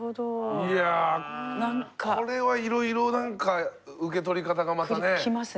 いやこれはいろいろなんか受け取り方がまたね。